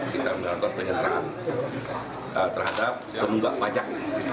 kita mengangkat penyelenggaraan terhadap penunggak pajak